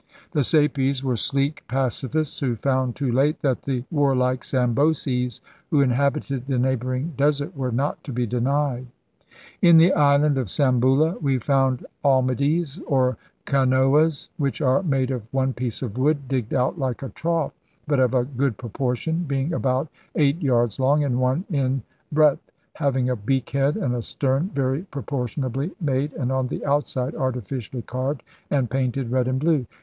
The Sapies were sleek pacifists who found too late that the warlike Samboses, who inhabited the neighboring desert, were not to be denied. *In the island of Sambula we found almadies or canoas, which are made of one piece of wood, digged out like a trough, but of a good proportion, being about eight yards long and one in breadth, having a beak head and a stern very proportion ably made, and on the outside artificially carved, and painted red and blue.'